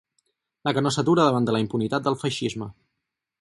La que no s'atura davant la impunitat del feixisme.